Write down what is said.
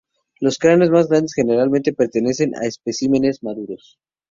Los cráneos más grandes generalmente pertenecen a especímenes maduros.